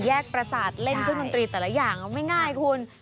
ประสาทเล่นเครื่องดนตรีแต่ละอย่างไม่ง่ายคุณ